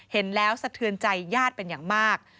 เห็นแล้วสะเทือนใจญาติเป็นอย่างมาก